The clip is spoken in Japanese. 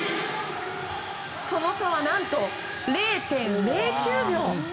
その差は何と０．０９秒。